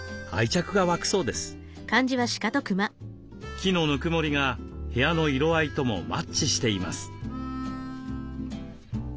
木のぬくもりが部屋の色合いともマッチしています。